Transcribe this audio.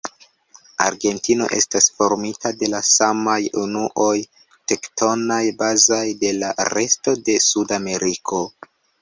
Argentino estas formita de la samaj unuoj tektonaj bazaj de la resto de Sudameriko.